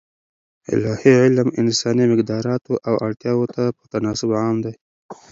الاهي علم انساني مقدراتو او اړتیاوو ته په تناسب عام دی.